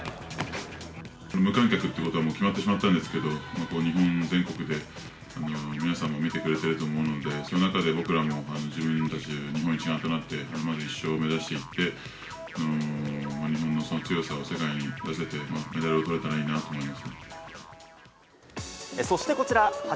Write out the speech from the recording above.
無観客っていうことはもう決まってしまったんですけど、日本全国で皆さんも見てくれていると思うので、その中で僕らも自分たち、日本一丸となって、まずは１勝目指していって、日本の強さを世界に出してメダルをとれたらいいなと思いますね。